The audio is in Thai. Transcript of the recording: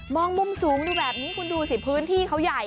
องมุมสูงดูแบบนี้คุณดูสิพื้นที่เขาใหญ่